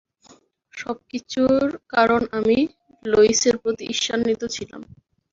সবকিছুর কারণ আমি লোয়িসের প্রতি ঈর্ষান্বিত ছিলাম।